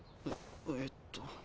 ええっと。